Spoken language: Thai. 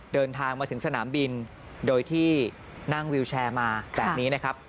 เดินทางมาถึงสนามบินโดยที่นั่งวิวแชร์มาแบบนี้นะครับ